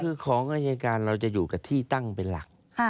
คือของอายการเราจะอยู่กับที่ตั้งเป็นหลัก